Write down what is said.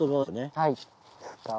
はい。